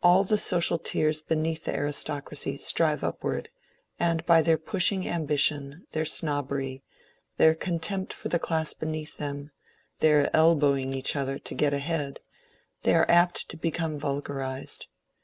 All the social tiers beneath the aristocracy strive upward, and by their pushing ambition, their snobbery, their contempt for the class beneath them, their elbowing each other to get idiead, they are apt to become vulgarized.